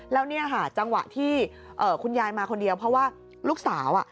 แล้วเนี่ยค่ะจังหวะที่คุณยายมาคนเดียวเพราะว่าลูกสาว